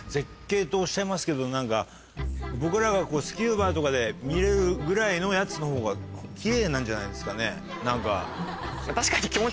とおっしゃいますけど何か僕らがこうスキューバとかで見るぐらいのやつのほうが奇麗なんじゃないですかね何か。